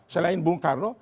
selain bung karno